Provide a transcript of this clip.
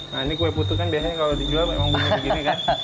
nah ini kue putu kan biasanya kalau dijual memang bumbu segini kan